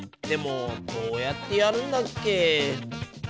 でもどうやってやるんだっけ？